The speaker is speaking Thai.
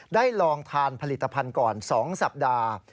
ลองทานผลิตภัณฑ์ก่อน๒สัปดาห์